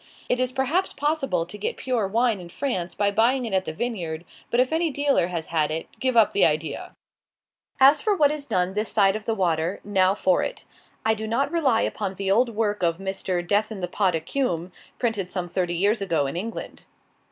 It is perhaps possible to get pure wine in France by buying it at the vineyard; but if any dealer has had it, give up the idea! As for what is done this side of the water, now for it. I do not rely upon the old work of Mr. "Death in the pot Accum," printed some thirty years ago, in England.